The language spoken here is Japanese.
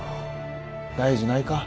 大事ないか？